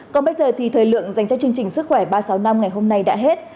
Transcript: còn bây giờ thì thời lượng dành cho chương trình sức khỏe ba trăm sáu mươi năm ngày hôm nay đã hết